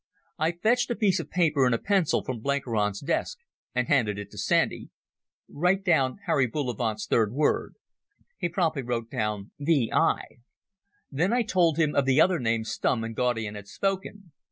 I fetched a piece of paper and a pencil from Blenkiron's desk and handed it to Sandy. "Write down Harry Bullivant's third word." He promptly wrote down "v. I." Then I told them of the other name Stumm and Gaudian had spoken.